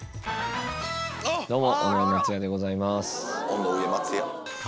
どうも。